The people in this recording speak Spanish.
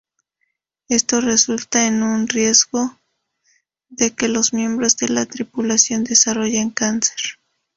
Esto resulta en un riesgo de que los miembros de la tripulación desarrollen cáncer.